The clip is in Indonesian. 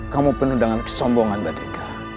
kamu penuh dengan kesombongan tadi